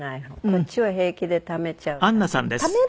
こっちは平気でためちゃうタイプ。